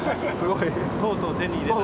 とうとう手に入れた。